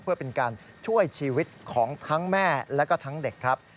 เพื่อเป็นการช่วยชีวิตของทั้งแม่และก็ทั้งเด็กครับ